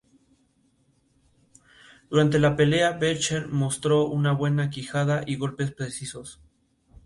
Durante la pelea, Belcher mostro una buena quijada y golpes precisos.